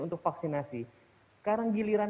untuk vaksinasi sekarang giliran